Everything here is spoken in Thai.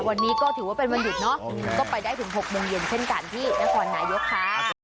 วันนี้ก็ถือว่าเป็นวันหยุดเนาะก็ไปได้ถึง๖โมงเย็นเช่นกันที่นครนายกค่ะ